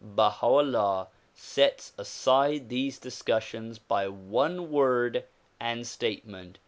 Baha 'Ullah sets aside these discussions by one word and statement.